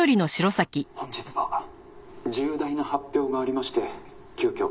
「本日は重大な発表がありまして急きょ